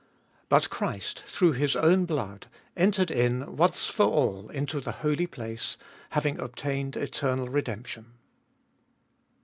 But Christ, through his own blood, entered in once for all into the Holy Place, having obtained eternal redemption.